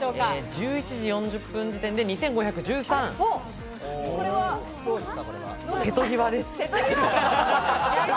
１１時４０分時点で２５１３、これは瀬戸際です。